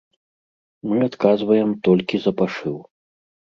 Мы адказваем толькі за пашыў.